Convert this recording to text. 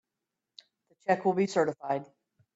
The check will be certified.